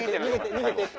逃げて！」。